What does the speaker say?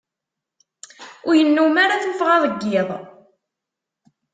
Ur yennum ara tuffɣa deg iḍ.